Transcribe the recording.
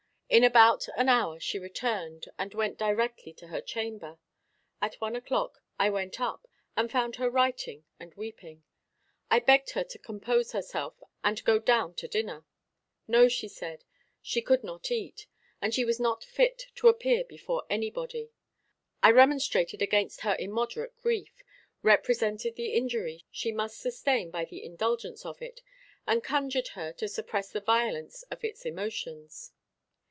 In about an hour she returned, and went directly to her chamber. At one o'clock I went up, and found her writing, and weeping. I begged her to compose herself, and go down to dinner. No, she said, she should not eat; and was not fit to appear before any body. I remonstrated against her immoderate grief, represented the injury she must sustain by the indulgence of it, and conjured her to suppress the violence of its emotions.